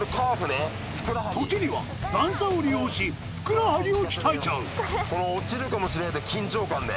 時には段差を利用しふくらはぎを鍛えちゃうこの落ちるかもしれない緊張感で。